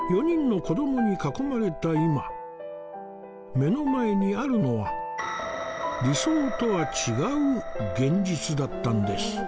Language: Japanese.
４人の子どもに囲まれた今目の前にあるのは理想とは違う現実だったんです